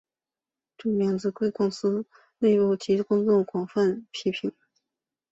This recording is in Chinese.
这名字被公司内部及公众广泛被批评。